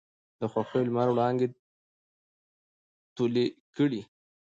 د خـوښـيو لمـر وړانـګې تـولې کـړې.